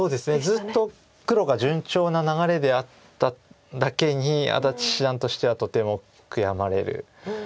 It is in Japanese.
ずっと黒が順調な流れであっただけに安達七段としてはとても悔やまれる一局となります。